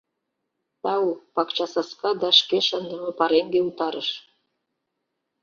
Тау, пакчасаска да шке шындыме пареҥге утарыш.